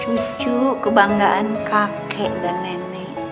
cucu kebanggaan kakek dan nenek